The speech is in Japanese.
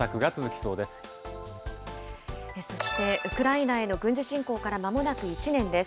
そしてウクライナへの軍事侵攻からまもなく１年です。